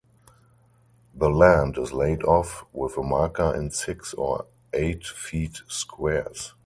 The land is laid off with a marker in six or eight feet squares.